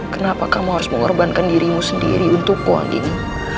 kenapa kamu harus mengorbankan dirimu sendiri untukku gini